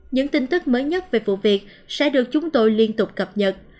những tin tức mới nhất về vụ việc sẽ được chúng tôi liên tục cập nhật